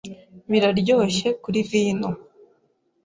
Biraryoshye kuri vino